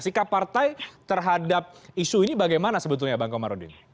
sikap partai terhadap isu ini bagaimana sebetulnya bang komarudin